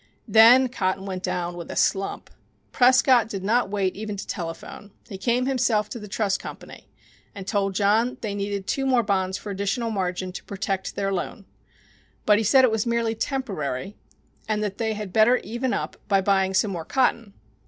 Then cotton went down with a slump. Prescott did not wait even to telephone. He came himself to the trust company and told John that they needed two more bonds for additional margin to protect their loan. But he said it was merely temporary, and that they had better even up by buying some more cotton.